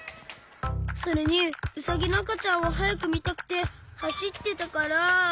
それにウサギのあかちゃんをはやくみたくてはしってたから。